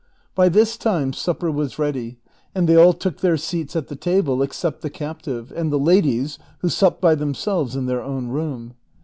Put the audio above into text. " By this time supper was ready, and they all took their seats at the table, except the captive, and the ladies, who supped by themselves in their own room.